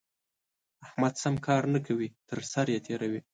احمد سم کار نه کوي؛ تر سر يې تېروي.